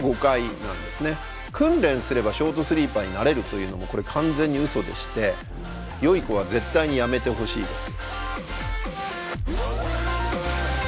訓練すればショートスリーパーになれるというのもこれ完全にウソでしてよい子は絶対にやめてほしいです。